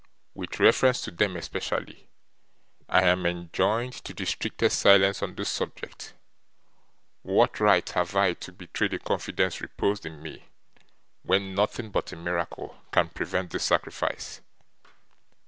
'With reference to them, especially, I am enjoined to the strictest silence on this subject. What right have I to betray the confidence reposed in me, when nothing but a miracle can prevent this sacrifice?